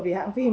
với hãng phim